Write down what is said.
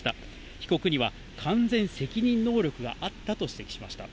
被告には完全責任能力があったと指摘しました。